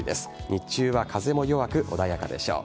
日中は風も弱く穏やかでしょう。